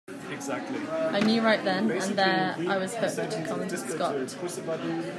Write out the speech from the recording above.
I knew right then and there I was hooked, commented Scott.